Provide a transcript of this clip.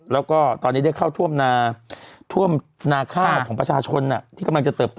และตอนนี้เข้าถ้วมนาคาของประชาชนที่กำลังจะเติบต่อ